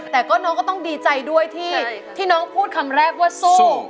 แต่ก็น้องก็ต้องดีใจด้วยที่น้องพูดคำแรกว่าสู้